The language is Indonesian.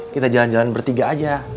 kita jalan jalan bertiga aja